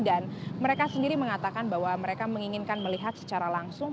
dan mereka sendiri mengatakan bahwa mereka menginginkan melihat secara langsung